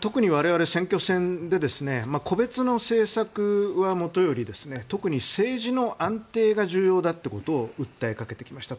特に我々、選挙戦で個別の政策はもとより特に政治の安定が重要だということを訴えかけてきました。